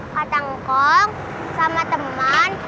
kak tangkong sama teman